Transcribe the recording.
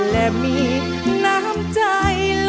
และมีนามใจรอ